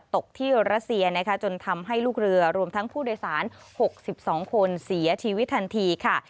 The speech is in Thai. ตกที่รัสเซียนะคะจนทำให้ลูกเรือรวมทั้งผู้โดยสาร๖๒คนเสียชีวิตทันทีค่ะ